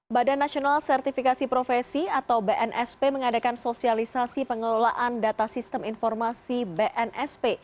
badan nasional sertifikasi profesi atau bnsp mengadakan sosialisasi pengelolaan data sistem informasi bnsp